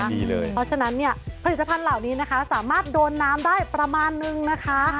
เพราะฉะนั้นเนี่ยผลิตภัณฑ์เหล่านี้นะคะสามารถโดนน้ำได้ประมาณนึงนะคะ